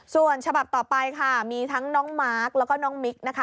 ส่วนฉบับต่อไปค่ะมีทั้งน้องมาร์คแล้วก็น้องมิกนะคะ